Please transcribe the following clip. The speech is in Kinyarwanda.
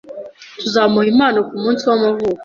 Tuzamuha impano kumunsi w'amavuko